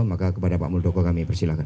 maka kepada pak muldoko kami persilahkan